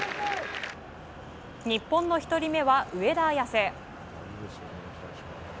日本の１人目は上田綺世。